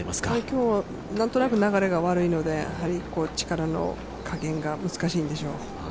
今日、何となく流れが悪いので、力の加減が難しいんでしょう。